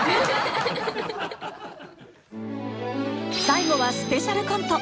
最後はスペシャルコント